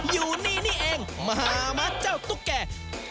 อยู่นี่นี่เองมหามะเจ้าตุ๊กแก่